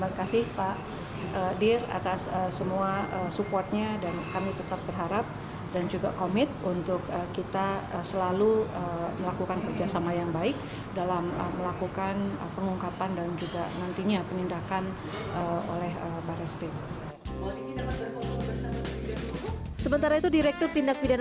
terima kasih pak dir atas semua supportnya dan kami tetap berharap dan juga komit untuk kita selalu melakukan kerjasama yang baik dalam melakukan pengungkapan dan juga nantinya penindakan oleh baris krim